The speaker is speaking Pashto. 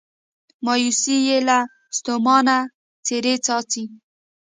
مایوسي یې له ستومانه څیرې څاڅي